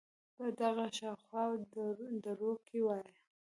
په دغه شااو خوا دروکې وایه